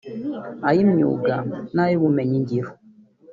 ay’imyuga n’ubumenyingiro